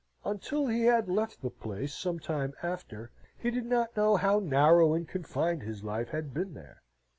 Until he had left the place, some time after, he did not know how narrow and confined his life had been there.